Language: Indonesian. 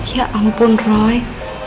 ya ampun roy